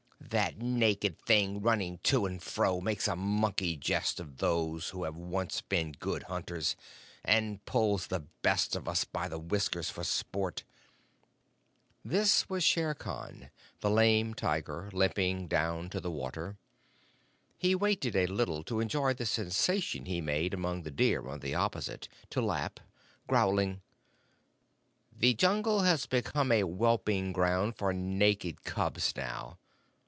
That naked thing running to and fro makes a monkey jest of those who have once been good hunters, and pulls the best of us by the whisker for sport." This was Shere Khan, the Lame Tiger, limping down to the water. He waited a little to enjoy the sensation he made among the deer on the opposite bank; then he dropped his square, frilled head and began to lap, growling: "The Jungle has become a whelping ground for naked cubs now.